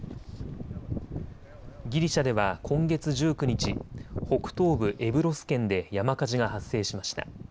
ギリシャでは今月１９日、北東部エブロス県で山火事が発生しました。